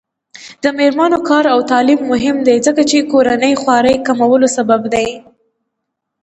د میرمنو کار او تعلیم مهم دی ځکه چې کورنۍ خوارۍ کمولو سبب دی.